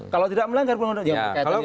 kalau tidak melanggar perundang undangan